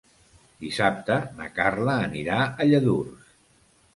Dissabte na Carla anirà a Lladurs.